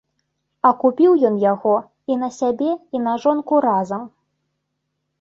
А купіў ён яго і на сябе і на жонку разам.